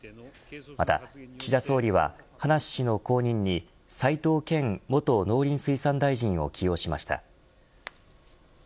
また岸田総理は葉梨氏の後任に齋藤健元農林水産大臣を起用しました。